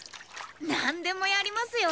何でもやりますよ！